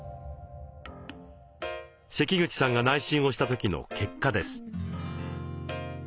関口さんが内診をした時の結果です。